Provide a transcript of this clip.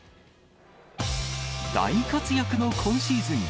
大活躍の今シーズン。